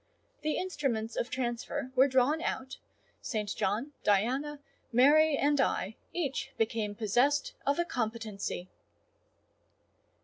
The instruments of transfer were drawn out: St. John, Diana, Mary, and I, each became possessed of a competency.